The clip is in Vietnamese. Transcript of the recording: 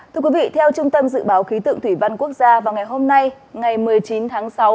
thưa quý vị theo trung tâm dự báo khí tượng thủy văn quốc gia vào ngày hôm nay ngày một mươi chín tháng sáu